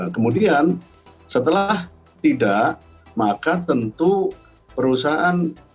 kemudian setelah tidak maka tentu perusahaan